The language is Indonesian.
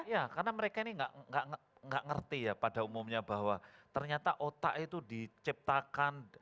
ya karena mereka ini nggak ngerti ya pada umumnya bahwa ternyata otak itu diciptakan